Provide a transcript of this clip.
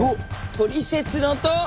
「トリセツ」の「ト」！